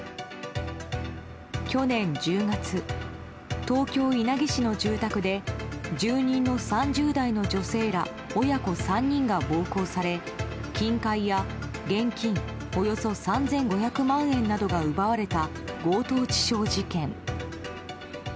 去年１０月、東京・稲城市の住宅で住人の３０代の女性ら親子３人が暴行され金塊や現金およそ３５００万円などが奪われた強盗致傷事件。